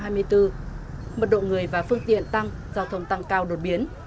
một độ người và phương tiện tăng giao thông tăng cao đột biệt